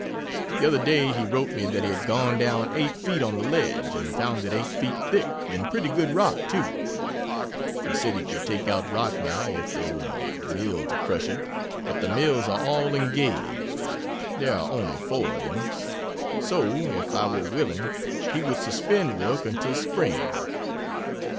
The other day he wrote me that he had gone down eight feet on the ledge, and found it eight feet thick and pretty good rock, too. He said he could take out rock now if there were a mill to crush it but the mills are all engaged (there are only four of them) so, if I were willing, he would suspend work until Spring.